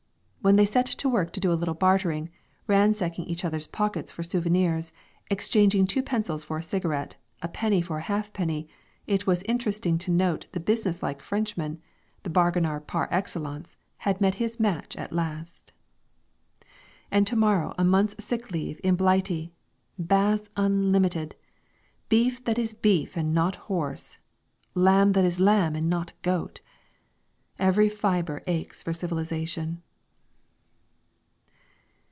When they set to work to do a little bartering, ransacking each other's pockets for souvenirs, exchanging two pencils for a cigarette, a penny for a halfpenny, it was interesting to note that the businesslike Frenchman the bargainer par excellence had met his match at last. And to morrow a month's sick leave in Blighty! Baths unlimited! Beef that is beef and not horse! Lamb that is lamb and not goat! Every fibre aches for civilisation.